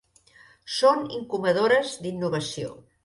Són incubadores d'innovació.